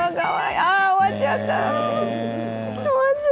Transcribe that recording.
ああ終わっちゃった。